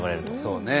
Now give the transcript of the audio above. そうね。